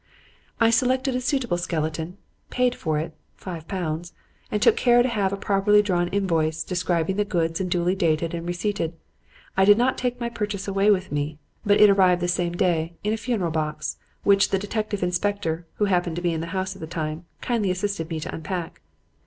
"I selected a suitable skeleton, paid for it, (five pounds) and took care to have a properly drawn invoice, describing the goods and duly dated and receipted. I did not take my purchase away with me; but it arrived the same day, in a funeral box, which the detective inspector, who happened to be in the house at the time, kindly assisted me to unpack.